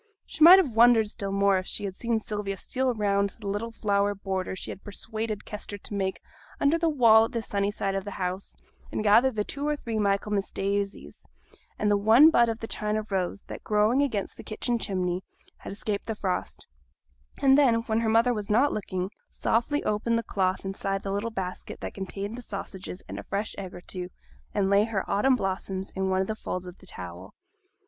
She might have wondered still more, if she had seen Sylvia steal round to the little flower border she had persuaded Kester to make under the wall at the sunny side of the house, and gather the two or three Michaelmas daisies, and the one bud of the China rose, that, growing against the kitchen chimney, had escaped the frost; and then, when her mother was not looking, softly open the cloth inside of the little basket that contained the sausages and a fresh egg or two, and lay her autumn blossoms in one of the folds of the towel.